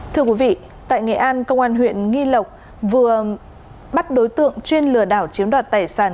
thưa quý vị tại nghệ an công an huyện nghi lộc vừa bắt đối tượng chuyên lừa đảo chiếm đoạt tài sản